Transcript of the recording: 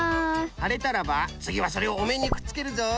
はれたらばつぎはそれをおめんにくっつけるぞい。